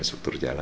sekitar tujuh km